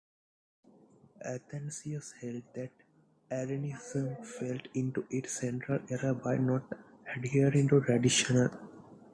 Athanasius held that Arianism fell into its central error by not adhering to tradition.